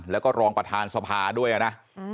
แล้วก็รองประธานสภาด้วยนะ